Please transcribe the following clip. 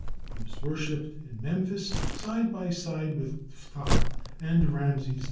He was worshipped in Memphis, side by side with Phtah and Ramses II.